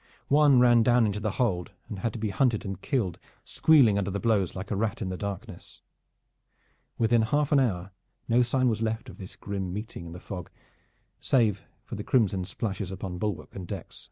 One ran down into the hold and had to be hunted and killed squealing under the blows like a rat in the darkness. Within half an hour no sign was left of this grim meeting in the fog save for the crimson splashes upon bulwarks and deck.